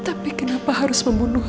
tapi kenapa harus membunuh roy bu